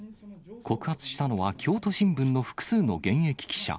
告発したのは京都新聞の複数の現役記者。